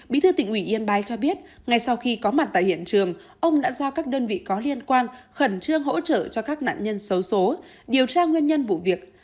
bí thư tỉnh ủy yên bái cho biết ngay sau khi có mặt tại hiện trường ông đã giao các đơn vị có liên quan khẩn trương hỗ trợ cho các nạn nhân xấu xố điều tra nguyên nhân vụ việc